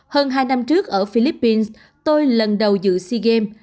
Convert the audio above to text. hơn hai năm trước ở philippines tôi lần đầu dự sea games